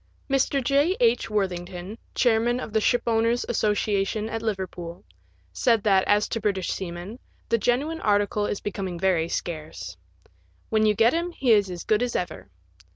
Mr. J. H. Worthing ton, chairman of the Shipowners* Associations at Liver pool, said that, as to British seamen, the genuine article is becoming very scarce ;" when you get him he is as as good as ever."